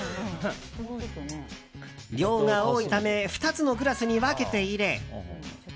量が多いため２つのグラスに分けて入れ。